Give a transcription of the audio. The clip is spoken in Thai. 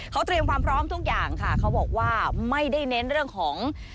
เขาเตรียมความพร้อมทุกอย่างค่ะเขาบอกว่าไม่ได้เน้นเรื่องของ